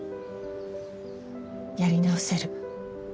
やり直せる